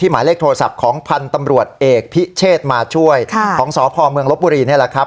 หมายเลขโทรศัพท์ของพันธุ์ตำรวจเอกพิเชษมาช่วยของสพเมืองลบบุรีนี่แหละครับ